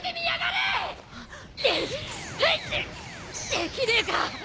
できねえか？